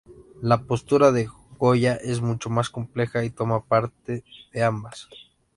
La postura de Goya es mucho más compleja, y toma parte de ambas.